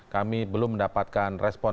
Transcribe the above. kami belum mendapatkan respon